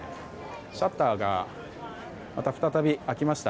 シャッターがまた再び開きました。